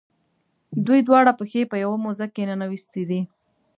دوی دواړه پښې په یوه موزه کې ننویستي دي.